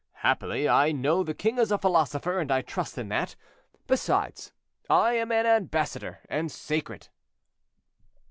Happily I know the king is a philosopher, and I trust in that. Besides, I am an ambassador, and sacred."